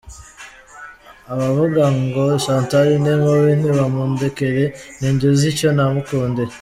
Abavuga ngo Chantal ni mubi nibamundekere, ni njye uzi icyo namukundiye.